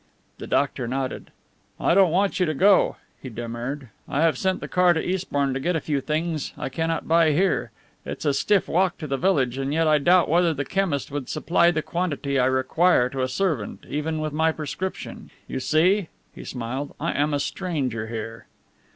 The doctor nodded. "I don't want you to go," he demurred. "I have sent the car to Eastbourne to get a few things I cannot buy here. It's a stiff walk to the village and yet I doubt whether the chemist would supply the quantity I require to a servant, even with my prescription you see," he smiled, "I am a stranger here."